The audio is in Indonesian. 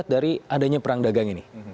dari adanya perang dagang ini